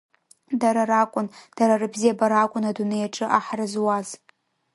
Дара ракәын, дара рыбзиабара акәын адунеи аҿы аҳра зуаз.